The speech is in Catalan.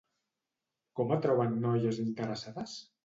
Com atrauen noies interessades?